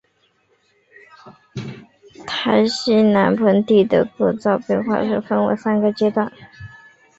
台西南盆地的构造演化可以分为三个阶段。